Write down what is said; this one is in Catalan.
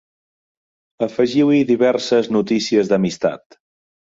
Afegiu-hi diverses notícies d'amistat.